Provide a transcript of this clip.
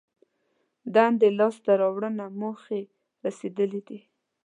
دندې لاس ته راوړنه موخې رسېدلي دي.